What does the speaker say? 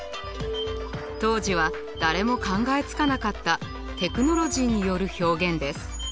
当時は誰も考えつかなかったテクノロジーによる表現です。